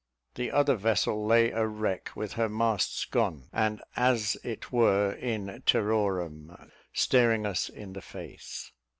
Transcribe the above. The other vessel lay a wreck, with her masts gone, and as it were in terrorem, staring us in the face.